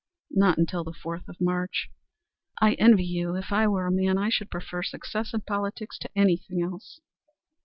"Not until the fourth of March." "I envy you. If I were a man I should prefer success in politics to anything else."